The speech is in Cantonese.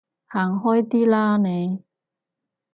行開啲啦你